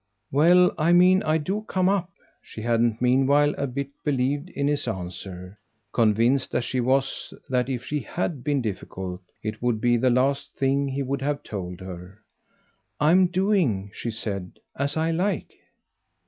"Well, I mean I do come up." She hadn't meanwhile a bit believed in his answer, convinced as she was that if she HAD been difficult it would be the last thing he would have told her. "I'm doing," she said, "as I like."